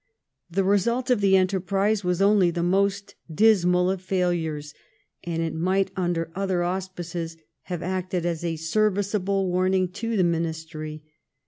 The result of the enterprise was only the most dismal of failures, and it might, under other auspices, have acted as a serviceable warning to the Ministry.